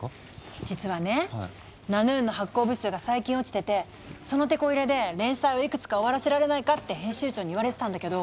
実はね「ナヌーン」の発行部数が最近落ちててそのてこ入れで連載をいくつか終わらせられないかって編集長に言われてたんだけど。